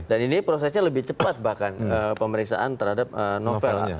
dan ini prosesnya lebih cepat bahkan pemeriksaan terhadap novel